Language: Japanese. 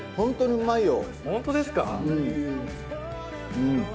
うまいよ。